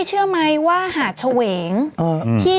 ดื่มน้ำก่อนสักนิดใช่ไหมคะคุณพี่